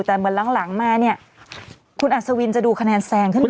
แต่เหมือนหลังมาเนี่ยคุณอัศวินจะดูคะแนนแซงขึ้นมา